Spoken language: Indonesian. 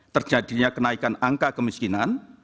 terjadinya kenaikan angka kemiskinan